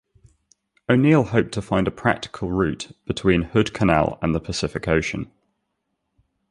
O'Neil hoped to find a practical route between Hood Canal and the Pacific Ocean.